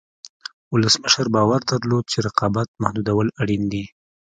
ولسمشر باور درلود چې رقابت محدودول اړین دي.